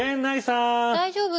大丈夫？